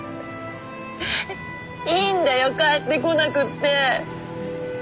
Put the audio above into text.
いいんだよ帰ってこなくって。